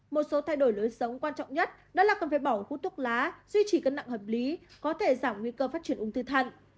một số thay đổi lối sống quan trọng nhất đó là cần phải bỏ hút thuốc lá duy trì cân nặng hợp lý có thể giảm nguy cơ phát triển ung thư thận